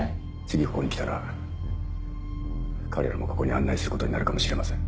次ここに来たら彼らもここに案内することになるかもしれません。